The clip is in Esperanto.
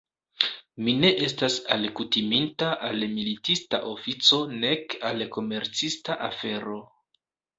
Mi ne estas alkutiminta al militista ofico nek al komercista afero.